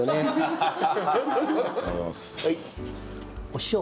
お塩。